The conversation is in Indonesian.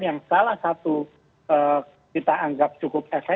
yang salah satu